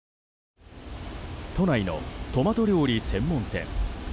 都内のトマト料理専門店。